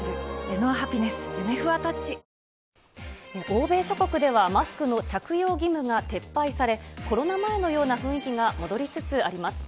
欧米諸国ではマスクの着用義務が撤廃され、コロナ前のような雰囲気が戻りつつあります。